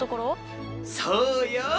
そうよ。